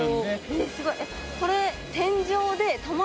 えすごい！